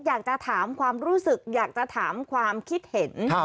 อยากจะถามความรู้สึกอยากจะถามความคิดเห็น